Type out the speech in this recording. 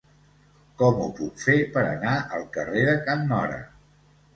Com ho puc fer per anar al carrer de Can Móra?